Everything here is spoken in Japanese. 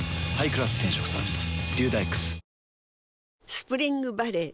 スプリングバレー